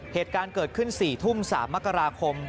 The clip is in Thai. เหตุการณ์เกิดขึ้น๔ทุ่ม๓มกราคม